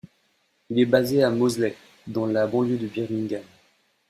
Il est basé à Moseley, dans la banlieue de Birmingham.